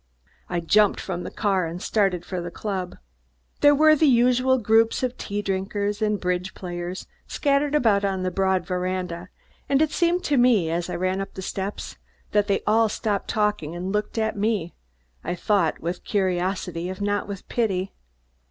I jumped from the car and started for the club. There were the usual groups of tea drinkers and bridge players scattered about on the broad veranda, and it seemed to me, as I ran up the steps, that they all stopped talking and looked at me, I thought, with curiosity, if not with pity.